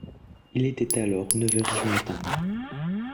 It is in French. Il était alors neuf heures du matin